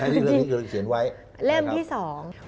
และเรื่องนี้ก็เขียนไว้นะครับ